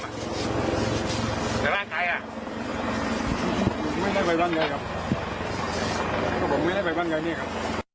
ไม่ได้ไปบ้านใครครับคุณผู้ถือกไม่ได้ไปบ้านใครเนี่ยครับ